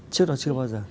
trước đó chưa bao giờ